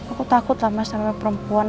aku takut lah mas sama perempuan